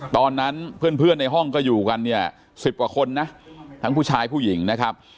ตอนนั้นเพื่อนในห้องก็อยู่กันเนี่ย๑๐กว่าคนนะทั้งผู้ชายผู้หญิงนะครับ